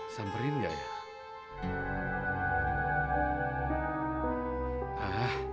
samperin gak ya